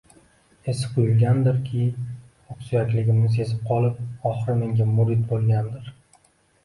Esi quyulgandirki, oqsuyakligimni sezib qolib, oxiri menga murid bo‘lgandir